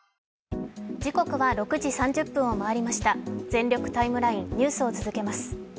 「全力タイムライン」ニュースを続けます。